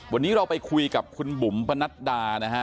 วันนี้เราไปคุยกับคุณบุ๋มปนัดดานะฮะ